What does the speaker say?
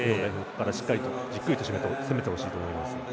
またしっかりと、じっくりと攻めてほしいと思います。